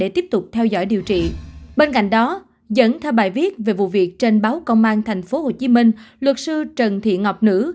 trong bài viết về vụ việc trên báo công an tp hcm luật sư trần thị ngọc nữ